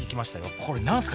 これ何ですか？